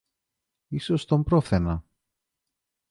ίσως τον πρόφθαινα.